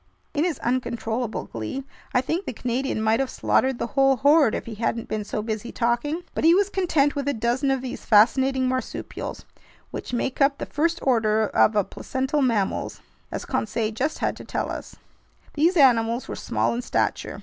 In his uncontrollable glee, I think the Canadian might have slaughtered the whole horde, if he hadn't been so busy talking! But he was content with a dozen of these fascinating marsupials, which make up the first order of aplacental mammals, as Conseil just had to tell us. These animals were small in stature.